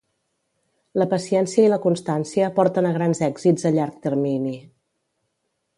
La paciència i la constància porten a grans èxits a llarg termini.